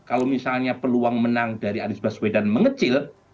kalau misalnya peluang menang dari anies baswedan mengecil